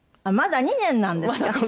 あっまだ２年なんですか？